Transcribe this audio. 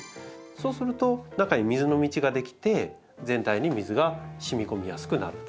そうすると中に水の道が出来て全体に水がしみ込みやすくなると。